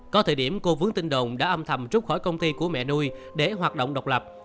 có thời điểm cô vướng tinh đồng đã âm thầm trút khỏi công ty của mẹ nuôi để hoạt động độc lập